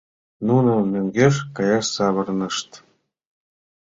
Нуно мӧҥгеш каяш савырнышт.